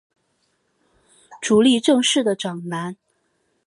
足利政氏的长男。